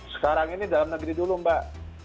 sekarang ini dalam negeri dulu mbak